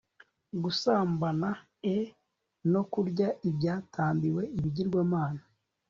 gusambana e no kurya ibyatambiwe ibigirwamana